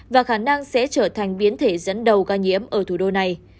và khả năng sẽ trở thành biến thể dẫn đầu ca nhiễm ở thủ đô này